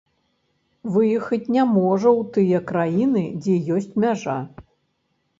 Выехаць не можа ў тыя краіны, дзе ёсць мяжа.